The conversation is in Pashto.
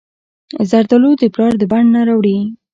زردالو د پلار د بڼ نه راوړي.